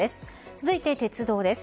続いて鉄道です。